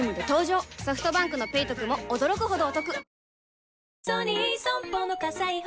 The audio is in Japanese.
ソフトバンクの「ペイトク」も驚くほどおトク